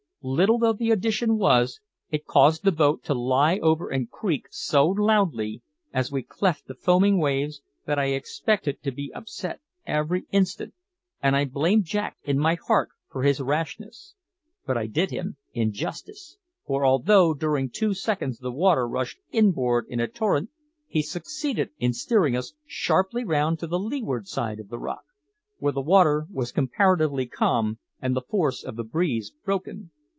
Little though the addition was, it caused the boat to lie over and creak so loudly, as we cleft the foaming waves, that I expected to be upset every instant; and I blamed Jack in my heart for his rashness. But I did him injustice; for although during two seconds the water rushed inboard in a torrent, he succeeded in steering us sharply round to the leeward side of the rock, where the water was comparatively calm and the force of the breeze broken.